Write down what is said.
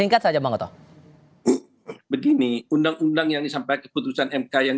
dan sudah pernah diperhatikan dalam pemilihan tahun dua ribu tujuh belas